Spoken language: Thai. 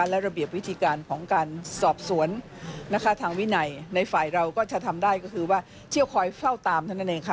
และระเบียบวิธีการของการสอบสวนนะคะทางวินัยในฝ่ายเราก็จะทำได้ก็คือว่าเที่ยวคอยเฝ้าตามเท่านั้นเองค่ะ